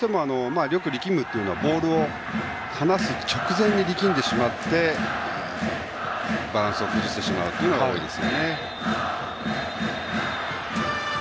よく力むというのはボールを離す直前に力んでしまってバランスを崩してしまうことが多いですね。